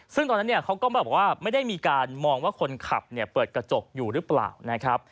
ซึ่งตอนนั้นเขาก็ไม่ได้มองว่าคนขับเปิดกระจกอยู่รึเปล่า